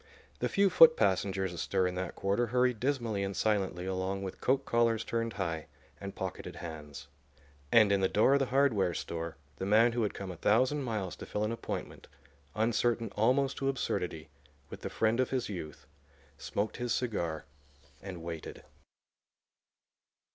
The few foot passengers astir in that quarter hurried dismally and silently along with coat collars turned high and pocketed hands. And in the door of the hardware store the man who had come a thousand miles to fill an appointment, uncertain almost to absurdity, with the friend of his youth, smoked his cigar and waited.